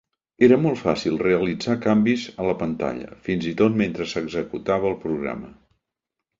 Era molt fàcil realitzar canvis a la pantalla, fins i tot mentre s'executava el programa.